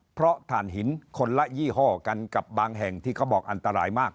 เพราะฐานหินคนละยี่ห้อกันกับบางแห่งที่เขาบอกอันตรายมาก